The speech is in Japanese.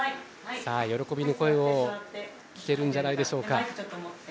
喜びの声を聞けるんじゃないでしょうか。